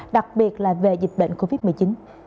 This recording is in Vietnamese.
đặc biệt là về dịch bệnh covid một mươi chín